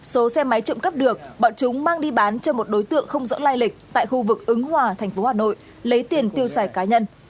số xe máy trộm cắp được bọn chúng mang đi bán cho một đối tượng không rõ lai lịch tại khu vực ứng hòa thành phố hà nội lấy tiền tiêu xài cá nhân